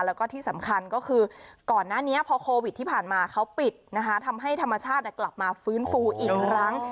แล้วก็ที่สำคัญก็คือก่อนหน้านี้พอโควิดที่ผ่านมาเขาปิดนะคะทำให้ธรรมชาติกลับมาฟื้นฟูอีกครั้ง